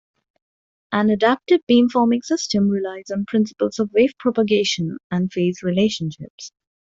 An adaptive beamforming system relies on principals of wave propagation and phase relationships.